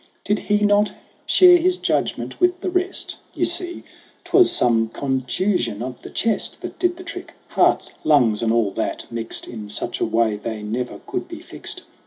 'Did he not share his judgment with the rest ? You see, 'twas some contusion of the chest That did the trick heart, lungs and all that, mixed In such a way they never could be fixed.